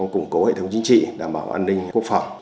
củng cố hệ thống chính trị đảm bảo an ninh quốc phòng